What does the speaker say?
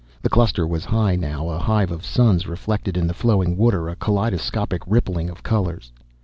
The cluster was high now, a hive of suns reflected in the flowing water, a kaleidoscopic rippling of colors.